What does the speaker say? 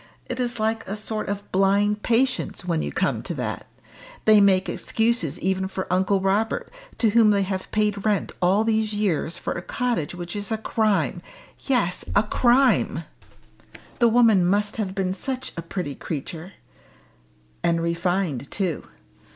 It is like a sort of blind patience when you come to that they make excuses even for Uncle Robert, to whom they have paid rent all these years for a cottage which is a crime yes, a crime! The woman must have been such a pretty creature and refined too.